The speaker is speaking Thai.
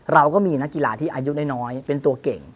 เราก็มีนักกีฬาที่อายุน้อยเป็นตัวเก่ง